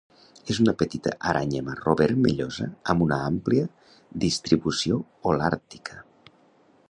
És una petita aranya marró vermellosa amb una àmplia distribució holàrtica.